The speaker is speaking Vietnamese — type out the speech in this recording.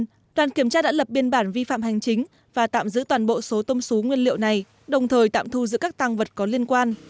tuy nhiên đoàn kiểm tra đã lập biên bản vi phạm hành chính và tạm giữ toàn bộ số tôm xú nguyên liệu này đồng thời tạm thu giữ các tăng vật có liên quan